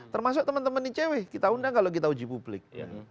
termasuk teman teman icw kita undang kalau kita uji publik